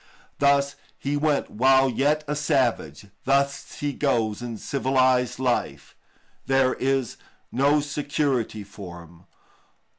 Thus he went while yet a savage, thus he goes in civilised life; there is no security for him.